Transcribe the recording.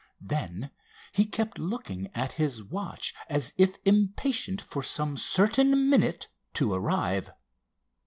Then he kept looking at his watch as if impatient for some certain minute to arrive.